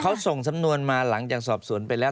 เขาส่งสำนวนมาหลังจากสอบสวนไปแล้ว